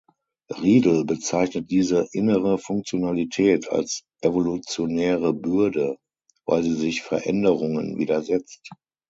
Riedl bezeichnet diese innere Funktionalität als evolutionäre Bürde, weil sie sich Veränderungen widersetzt.